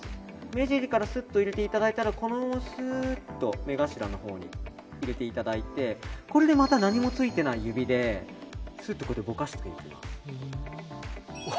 目尻からすっと入れていただいたらこのままスーッと目頭のほうに入れていただいてこれで何もついてない指ですっと、ぼかしていきます。